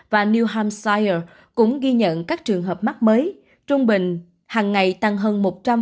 và new hampshire cũng ghi nhận các trường hợp mắc mới trung bình hàng ngày tăng hơn một trăm linh